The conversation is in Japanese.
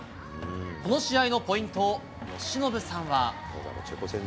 この試合のポイントを、由伸さんは。